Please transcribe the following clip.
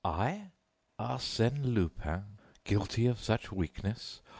I, Arsène Lupin, guilty of such weakness!